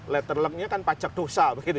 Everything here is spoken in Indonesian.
letter lucknya kan pajak dosa begitu